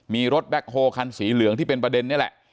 มีรถแบ็คโฮคันสีเหลืองที่เป็นประเด็นนี่แหละ